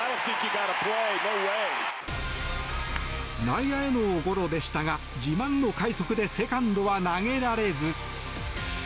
内野へのゴロでしたが自慢の快足でセカンドは投げられず。